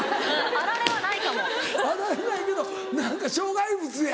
あられないけど何か障害物や。